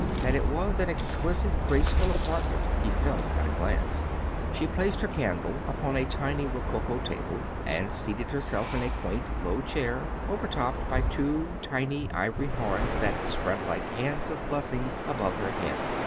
That it was an exquisite, graceful apartment he felt at a glance. She placed her candle upon a tiny rococo table, and seated herself in a quaint, low chair overtopped by two tiny ivory horns that spread like hands of blessing above her head.